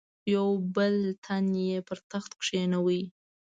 یو بل تن یې پر تخت کښېناوه.